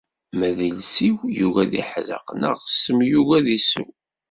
Ma d iles-iw yugi ad iḥdeqq, neɣ ssem yugi ad t-isew.